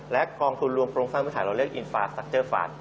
และกองทุนรวมโครงสร้างพื้นฐานเราเรียกอินฟาซักเจอร์ฟาน